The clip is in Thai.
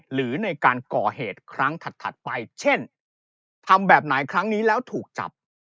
หรือในการก่อเหตุครั้งถัดไปเช่นทำแบบไหนครั้งนี้แล้วถูกจับ